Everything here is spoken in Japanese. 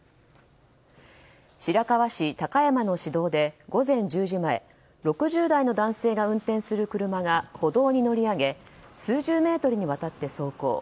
白河市高山の市道で午前１０時前６０代の男性が運転する車が歩道に乗り上げ数十メートルにわたって走行。